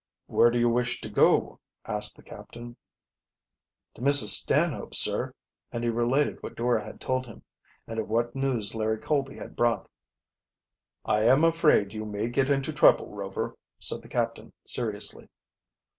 "Where do you wish to go?" asked the captain. "To Mrs. Stanhope's, sir," and he related what Dora had told him, and of what news Larry Colby had brought. "I am afraid you may get into trouble, Rover," said the captain seriously.